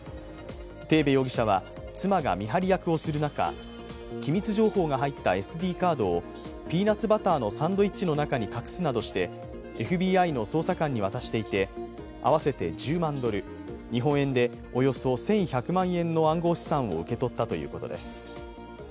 テーベ容疑者は妻が見張り役をする中機密情報が入ったＳＤカードをピーナツバターのサンドイッチの中に隠すなどしてＦＢＩの捜査官に渡していて、合わせて１０万ドル日本円でおよそ１１００万円の暗号資産を受け取ったということです。